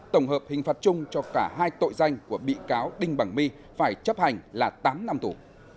tổng hợp hình phạt chung cho cả hai tội danh của bị cáo đinh bằng my phải chấp hành là tám năm tù